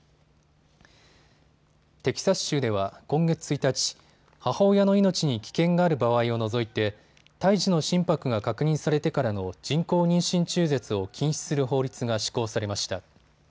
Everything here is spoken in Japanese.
テキサス州では今月１日、母親の命に危険がある場合を除いて胎児の心拍が確認されてからの人工妊娠中絶を禁止する法律が施行されました。